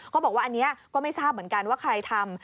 บอกว่าอันนี้ก็ไม่ทราบเหมือนกันว่าใครทำ